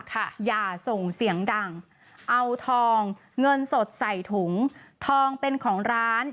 อย่าส่งเสียงดังเอาทองเงินสดใส่ถุงทองเป็นของร้าน